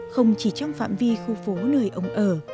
không chỉ trong phạm vi khu phố nơi ông ở